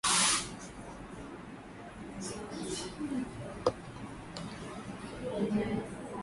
aliyeko Kitengo cha Biashara Chuo Kikuu cha Makerere